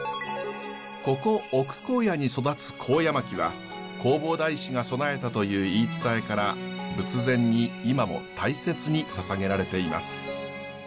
ここ奥高野に育つ高野槙は弘法大師が供えたという言い伝えから仏前に今も大切に捧げられています。